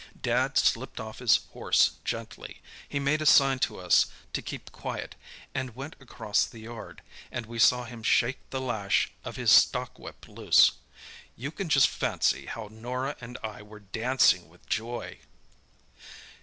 "Dad slipped off his horse gently. He made a sign to us to keep quiet and went across the yard, and we saw him shake the lash of his stockwhip loose. You can just fancy how Norah and I were dancing with joy!